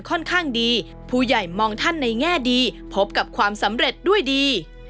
ค่อนข้างดีผู้ใหญ่มองท่านในแง่ดีพบกับความสำเร็จด้วยดี